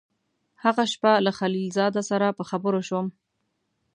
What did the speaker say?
هغه شپه له خلیل زاده سره په خبرو شوم.